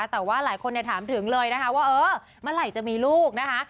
แต่ว่าหลายคนเนี่ยถามถึงเลยนะคะว่าเออมาไหลจะมีลูกนะคะ